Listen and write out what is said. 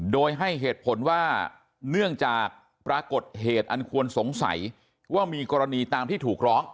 โดยให้เหตุผลว่าเนื่องจากปรากฏเหตุอันควรสงสัยว่ามีกรณีตามที่ถูกร้อง